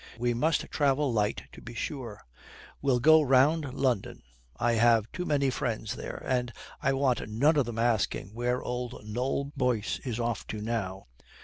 We must travel light, to be sure. We'll go round London. I have too many friends there, and I want none of them asking where old Noll Boyce is off to now.